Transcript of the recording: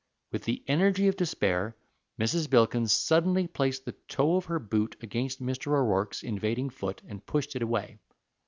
With the energy of despair Mrs. Bilkins suddenly placed the toe of her boot against Mr. O'Rourke's invading foot and pushed it away.